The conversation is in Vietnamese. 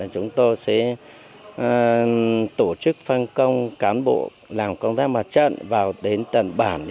chúng tôi sẽ tổ chức phân công cán bộ làm công tác mặt trận vào đến tận bản